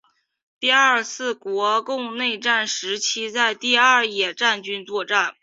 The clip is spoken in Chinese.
第二次国共内战时期在第二野战军作战。